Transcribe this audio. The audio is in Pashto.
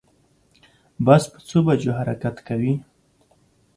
بس په څو بجو حرکت کوی